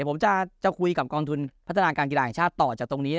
ผมจะคุยกับกองทุนพัฒนาการกีฬาแห่งชาติต่อจากตรงนี้